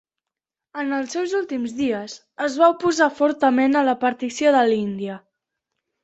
En els seus últims dies, es va oposar fortament a la partició de l'Índia.